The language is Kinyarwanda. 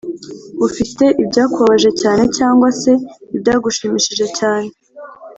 ufite ibyakubabaje cyane cyangwa se ibyagushimishije cyane.